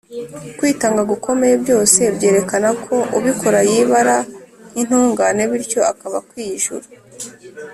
kwitanga gukomeye, byose byerekana ko ubikora yibara nk’intungane bityo akaba akwiye ijuru;